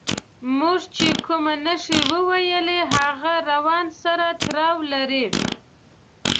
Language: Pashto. موږ چې کومې نښې وویلې هغه روان سره تړاو لري.